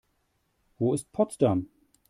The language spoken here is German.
Wo ist Potsdam?